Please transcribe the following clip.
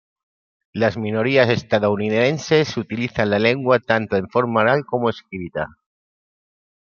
Las minorías estadounidenses utilizan la lengua tanto en forma oral como escrita.